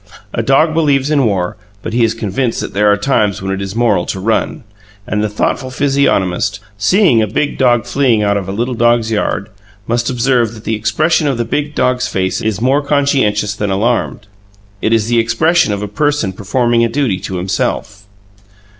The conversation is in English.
A dog believes in war, but he is convinced that there are times when it is moral to run; and the thoughtful physiognomist, seeing a big dog fleeing out of a little dog's yard, must observe that the expression of the big dog's face is more conscientious than alarmed: it is the expression of a person performing a duty to himself.